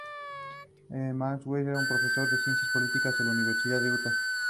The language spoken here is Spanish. Maxwell era un profesor de ciencias políticas en la Universidad de Utah.